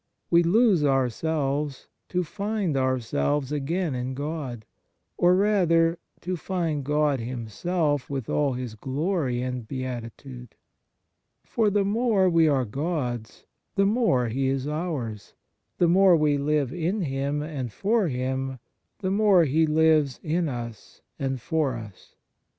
We lose ourselves to find ourselves again in God, or, rather, to find God Himself with all His glory and beati 80 ON THE SUBLIME UNION WITH GOD tude. For the more we are God s, the more He is ours ; the more we live in Him and for Him, the more He lives in us and for us.